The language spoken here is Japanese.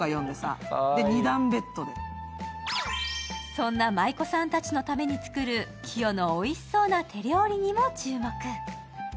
そんな舞妓さんたちのために作る、キヨのおいしそうな手料理にも注目。